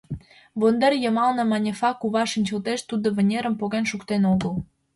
Вондер йымалне Манефа кува шинчылтеш, тудо вынерым поген шуктен огыл.